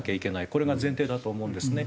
これが前提だと思うんですね。